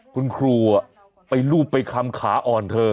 คุณครูไปรูปไปคำขาอ่อนเธอ